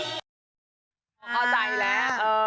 เข้าใจแล้ว